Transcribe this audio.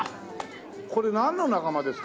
これ何の仲間ですか？